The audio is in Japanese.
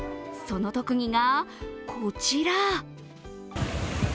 その特技がこちら。